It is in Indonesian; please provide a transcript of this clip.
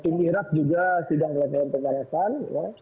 tim ihraf juga sedang melakukan pemanasan